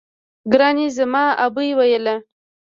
ګراني زما ابۍ ويله